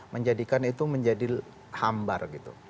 menjadikan itu menjadi hambar gitu